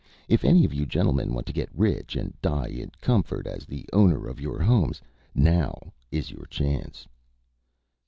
If any of you gentlemen want to get rich and die in comfort as the owner of your homes, now is your chance."